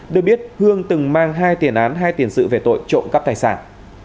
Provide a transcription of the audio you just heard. được biết hương từng mang hai tiền án hai tiền sự về tội trộm cắp tài sản